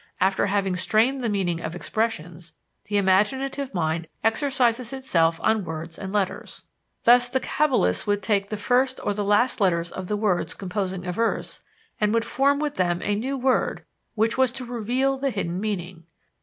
After having strained the meaning of expressions, the imaginative mind exercises itself on words and letters. Thus, the cabalists would take the first or the last letters of the words composing a verse, and would form with them a new word which was to reveal the hidden meaning.